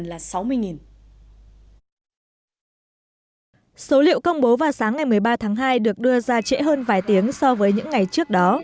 số liệu công bố vào sáng ngày một mươi ba tháng hai được đưa ra trễ hơn vài tiếng so với những ngày trước đó